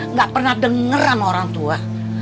nggak pernah denger sama orang tua